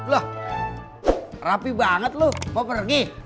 loh rapi banget lo mau pergi